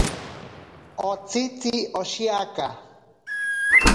Otsitzi oshiaka.